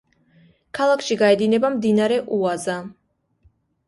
ქალაქში გაედინება მდინარე უაზა.